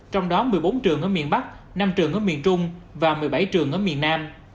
trong đó một mươi bốn trường ở miền bắc năm trường ở miền trung và một mươi bảy trường ở miền nam